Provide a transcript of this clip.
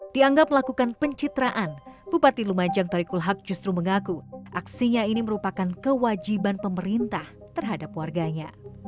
dianggap melakukan pencitraan bupati lumajang tori kulhak justru mengaku aksinya ini merupakan kewajiban pemerintah terhadap warganya